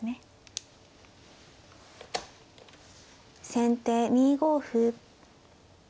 先手２五歩。